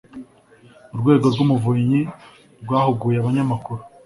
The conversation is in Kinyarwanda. urwego rw'umuvunyi rwahuguye abanyamakuru